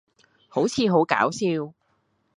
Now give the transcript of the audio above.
好似好搞笑